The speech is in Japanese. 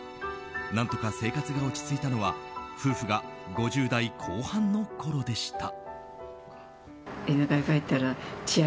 何とか生活が落ち着いたのは夫婦が５０代後半の頃でした。